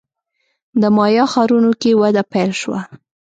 د مایا ښارونو کې وده پیل شوه.